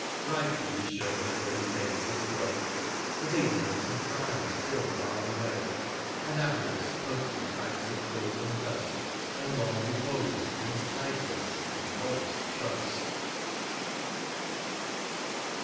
Bightly we shudder at those days of blood ; But ignorance and crime still bar the way, And avarice hugs his bags of golden dust. And long repose brings idlesse and false trust.